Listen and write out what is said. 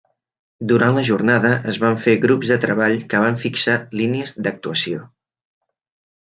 Durant la Jornada es van fer grups de treball que van fixar línies d’actuació.